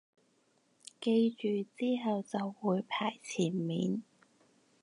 記住之後就會排前面